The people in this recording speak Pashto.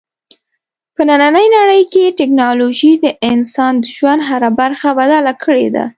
په نننۍ نړۍ کې ټیکنالوژي د انسان د ژوند هره برخه بدله کړې ده.